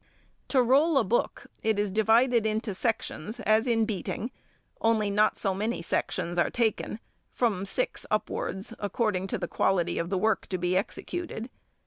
To roll a book, it is divided into sections as in beating, only not so many sheets are taken—from six upwards, according to the quality of the work to be executed.